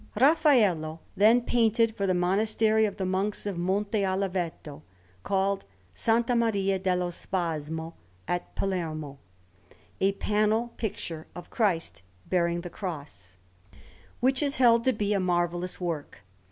Raffaello then painted for the Monastery of the Monks of Monte Oliveto, called S. Maria dello Spasmo, at Palermo, a panel picture of Christ bearing the Cross, which is held to be a marvellous work.